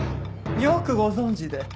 よくご存じで。